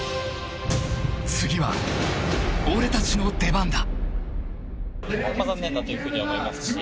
［次は俺たちの出番だ］